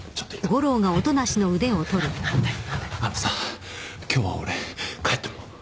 あのさ今日は俺帰っても？